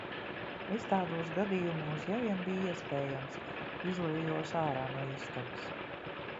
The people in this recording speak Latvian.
Es tādos gadījumos, ja vien bija iespējams, izlavījos ārā no istabas.